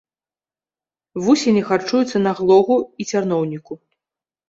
Вусені харчуюцца на глогу і цярноўніку.